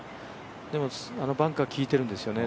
でも、バンカーきいているんですよね。